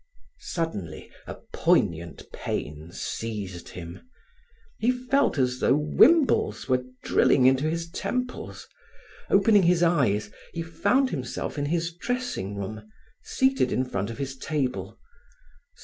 Suddenly a poignant pain seized him; he felt as though wimbles were drilling into his temples. Opening his eyes he found himself in his dressing room, seated in front of his table.